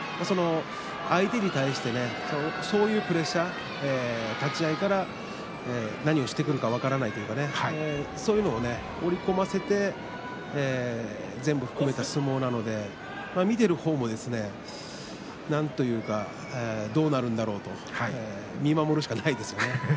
相手に対してそういうプレッシャー立ち合いから何をしてくるか分からないとかそういうものを思い込ませて務めた相撲なので見ている方もなんというかどうなるんだろうと見守るしかありませんね。